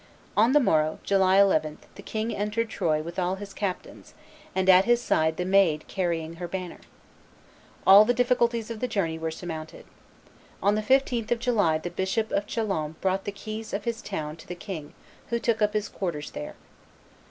On the morrow, July 11, the king entered Troyes with all his captains, and at his side the Maid carrying her banner. All the difficulties of the journey were surmounted. On the 15th of July the Bishop of Chalons brought the keys of his town to the king, who took up his quarters there.